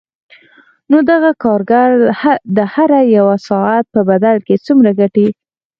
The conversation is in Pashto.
نو دغه کارګر د هر یوه ساعت په بدل کې څومره ګټي